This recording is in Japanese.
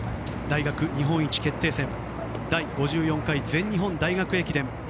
大学日本一決定戦第５４回全日本大学駅伝。